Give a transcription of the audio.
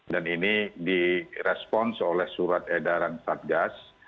dan ini di respons oleh surat edaran satgas